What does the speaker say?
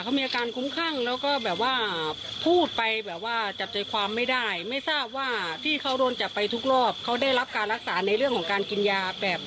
เขาก็แบบว่าขายให้เนอะคนไปซื้อเขาขาย